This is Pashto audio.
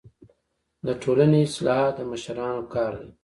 د ټولني اصلاحات د مشرانو کار دی.